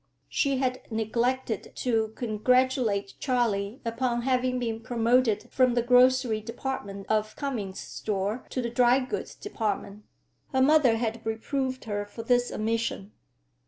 She had neglected to congratulate Charley upon having been promoted from the grocery department of Commings's store to the drygoods department. Her mother had reproved her for this omission.